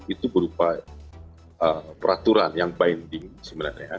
itu berupa peraturan yang binding sebenarnya